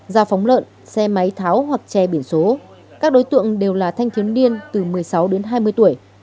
giao phóng lợn xe máy tháo hoặc che biển số các đối tượng đều là thanh thiếu niên từ một mươi sáu đến hai mươi tuổi